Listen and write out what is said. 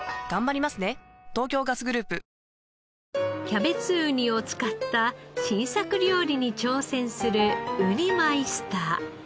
キャベツウニを使った新作料理に挑戦するウニマイスター。